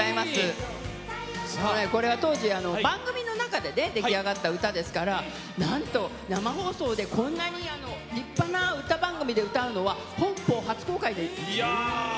これは当時番組の中で出来上がった歌でなんと生放送でこんなに立派な歌番組で歌うのは本邦初公開です。